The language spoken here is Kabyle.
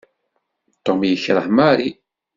Tom yekreh Mary.